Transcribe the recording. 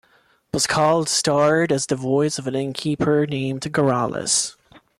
Pasquale starred as the voice of an Innkeeper named Garralus.